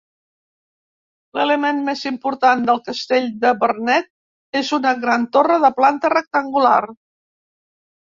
L'element més important del castell de Vernet és una gran torre de planta rectangular.